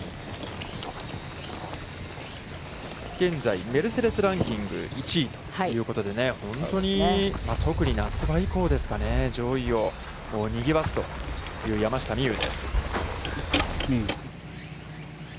現在メルセデス・ランキング、１位ということでね、本当に、特に夏場以降ですかね、上位をにぎわすという山下美夢有です。